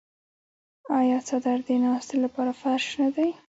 آیا څادر د ناستې لپاره فرش نه دی؟